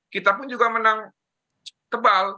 kita pun juga menang tebal